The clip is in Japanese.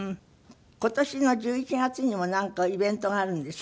今年の１１月にもなんかイベントがあるんですか？